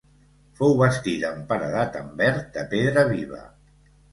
Fou bastida amb paredat en verd de pedra viva.